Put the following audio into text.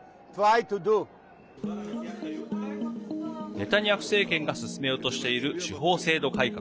ネタニヤフ政権が進めようとしている司法制度改革。